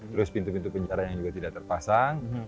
terus pintu pintu penjara yang juga tidak terpasang